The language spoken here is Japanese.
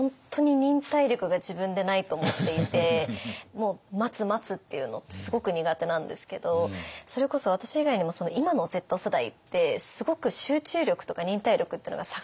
もう待つ待つっていうのってすごく苦手なんですけどそれこそ私以外にも今のＺ世代ってすごく集中力とか忍耐力っていうのが下がってるんですよね。